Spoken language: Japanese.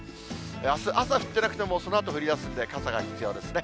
あす朝降ってなくても、そのあと降りだすんで、傘が必要ですね。